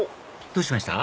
どうしました？